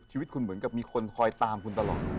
ชีวิตคุณเหมือนกับมีคนคอยตามคุณตลอด